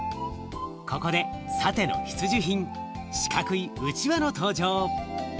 ここでサテの必需品四角いうちわの登場。